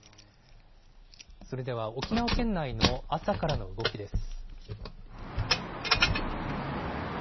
それでは沖縄県内の朝からの動きです。